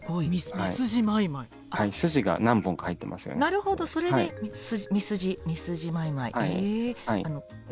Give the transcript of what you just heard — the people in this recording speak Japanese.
なるほどそれでミスジマイマイ。え。